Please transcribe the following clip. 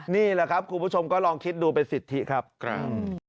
นี่แหละครับคุณผู้ชมก็ลองคิดดูเป็นสิทธิครับครับ